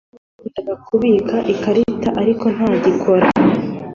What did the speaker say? Yakundaga kubika ikarita, ariko ntagikora.